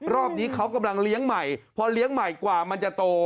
รอบนี้เขากำลังเลี้ยงใหม่พอเลี้ยงใหม่กว่ามันจะโต